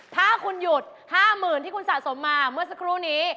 ถ้าคุณหยุด๕๐๐๐ที่คุณสะสมมาเมื่อสักครู่นี้